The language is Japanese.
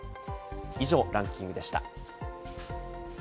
以上、ランキングでした。